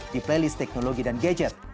di playlist teknologi dan gadget